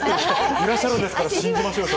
いらっしゃるんですから信じましょうよ。